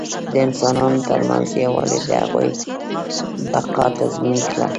د انسانانو تر منځ یووالي د هغوی بقا تضمین کړه.